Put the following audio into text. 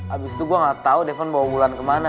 abis itu gue gak tau depon bawa mulan kemana